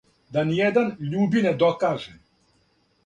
Да ниједан љуби не докаже.